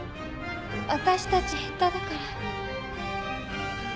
わたしたち下手だから。